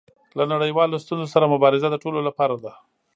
له نړیوالو ستونزو سره مبارزه د ټولو لپاره ده.